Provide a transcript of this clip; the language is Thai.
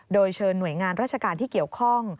โดยเชิญหน่วยงานราชการที่เกี่ยวข้อง